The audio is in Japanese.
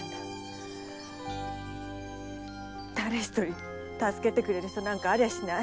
だれ一人助けてくれる人なんかありゃしない。